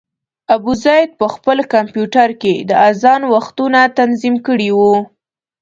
ابوزید په خپل کمپیوټر کې د اذان وختونه تنظیم کړي وو.